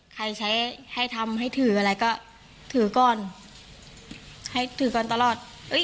ใครใช้ให้ทำให้ถืออะไรก็ถือก่อนให้ถือก่อนตลอด